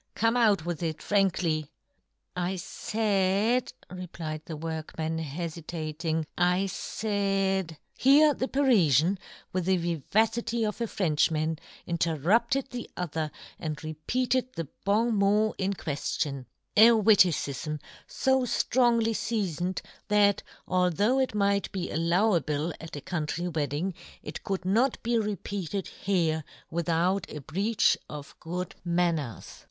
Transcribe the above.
Come, out with it frankly !"" I faid," replied the workman, hefitating, " I faid —" Here the Parifian, with the viva city of a Frenchman, interrupted the other, and repeated the bon mot in queflion — a witticifm fo flrongly fea foned, that, although it might be al lowable at a country wedding, it could not be repeated here without a breach of good manners.